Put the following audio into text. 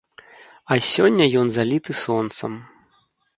А сёння ён заліты сонцам.